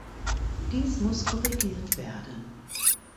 Dies muss korrigiert werden.